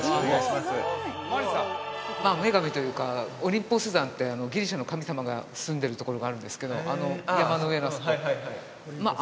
まあ女神というかオリンポス山ってギリシャの神様が住んでるところがあるんですけどあの山の上のあそこああ